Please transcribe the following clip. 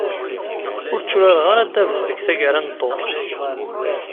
Ur tturareɣ ara ddabex deg taggara n ddurt.